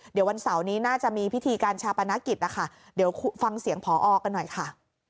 เดี๋ยววันเสาร์นี้น่าจะมีพิธีการชาปนกิจนะคะเดี๋ยวฟังเสียงพอกันหน่อยค่ะ